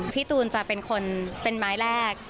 พี่ตูนจะเป็นคนเป็นไม้แรก